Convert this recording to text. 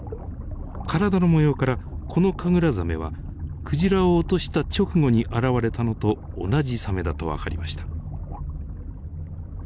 体の模様からこのカグラザメはクジラを落とした直後に現れたのと同じサメだと分かりました。